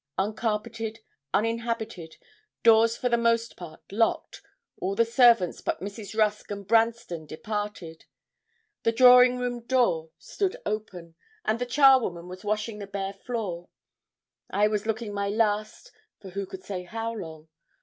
Uncarpeted, uninhabited, doors for the most part locked, all the servants but Mrs. Rusk and Branston departed. The drawing room door stood open, and a charwoman was washing the bare floor. I was looking my last for who could say how long?